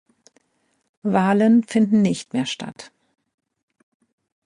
Wahlen finden nicht mehr statt.